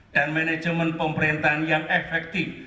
dan manajemen pemerintahan yang efektif